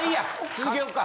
続けよっか。